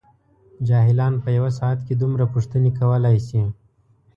جاهلان په یوه ساعت کې دومره پوښتنې کولای شي.